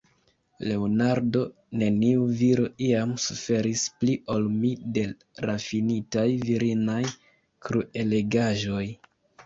Leonardo, neniu viro iam suferis pli ol mi de rafinitaj virinaj kruelegaĵoj.